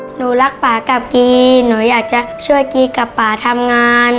หนูรักป่ากับกีหนูอยากจะช่วยกีกับป่าทำงาน